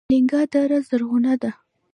الینګار دره زرغونه ده؟